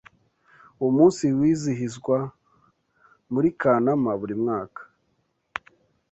Uwo munsi wizihizwa muri Kanama buri mwaka